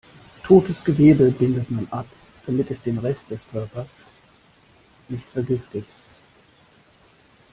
Totes Gewebe bindet man ab, damit es den Rest der Körpers nicht vergiftet.